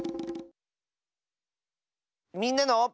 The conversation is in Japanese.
「みんなの」。